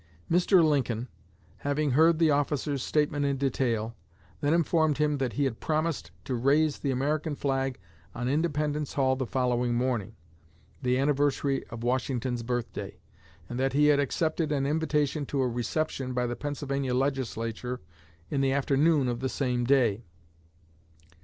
Mr. Lincoln, having heard the officer's statement in detail, then informed him that he had promised to raise the American flag on Independence Hall the following morning the anniversary of Washington's birthday and that he had accepted an invitation to a reception by the Pennsylvania Legislature in the afternoon of the same day.